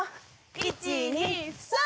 １２３！